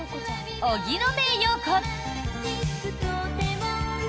荻野目洋子。